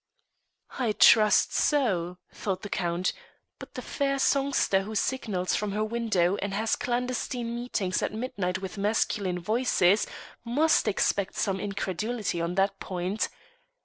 "I trust so," thought the Count; "but the fair songster who signals from her window and has clandestine meetings at midnight with masculine voices must expect some incredulity on that point.